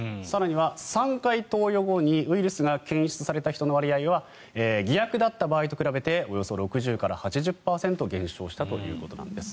更には３回投与後にウイルスが検出された人の割合は偽薬だった場合と比べておよそ６０％から８０％減少したと。